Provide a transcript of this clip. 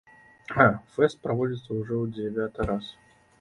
Фэст праводзіцца ўжо ў дзявяты раз.